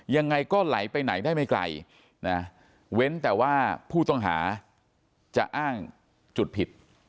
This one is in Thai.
ยังไงก็ไหลไปไหนได้ไม่ไกลนะเว้นแต่ว่าผู้ต้องหาจะอ้างจุดผิด